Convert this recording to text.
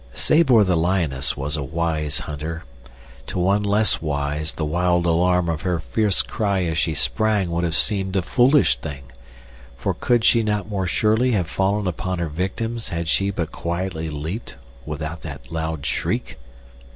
Sabor, the lioness, was a wise hunter. To one less wise the wild alarm of her fierce cry as she sprang would have seemed a foolish thing, for could she not more surely have fallen upon her victims had she but quietly leaped without that loud shriek?